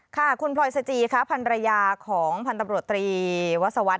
ค่ะคุณพลอยสจีครับภรรยาของพันธ์ตรวจตรีวัสวัสตร์